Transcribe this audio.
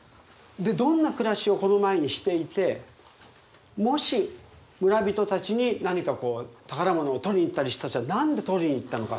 でどんな暮らしをこの前にしていてもし村人たちに何かこう宝物を盗りに行ったりしたとしたら何で盗りに行ったのか。